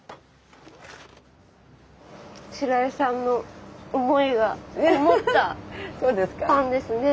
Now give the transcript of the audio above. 白井さんの思いがこもったパンですね。